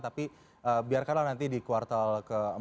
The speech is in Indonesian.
tapi biarkanlah nanti di kuartal ke empat